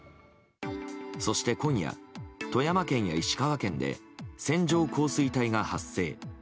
そして今夜、富山県や石川県で線状降水帯が発生。